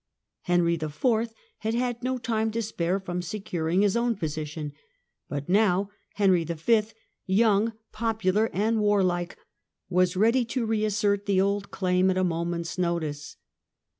Henry IV. had had no time to spare from securing his own position ; but now Henry V., young, popular and warlike, was ready to re assert the old claim at a moment's notice.